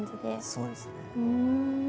そうですね。